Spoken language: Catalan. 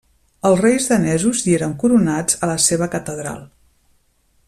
Els reis danesos hi eren coronats a la seva catedral.